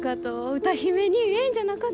歌姫にええんじゃなかと？